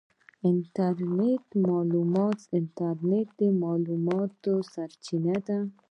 انټرنیټ د معلوماتو سرچینه ده.